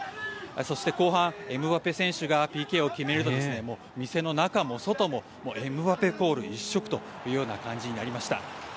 そして、後半エムバペ選手がＰＫを決めると店の中も外もエムバペコール一色というような感じになりました。